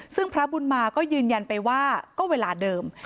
ซึ่งพระบุญมาก็ยืนยันไปว่าก็เวลาเดิม